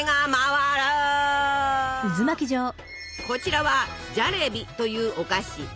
こちらは「ジャレビ」というお菓子。